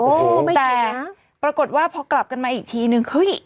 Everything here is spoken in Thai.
โอ้โฮไม่เคยละแต่ปรากฏว่าพอกลับกันมาอีกทีนึงหึย